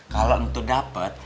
kalo untuk dapet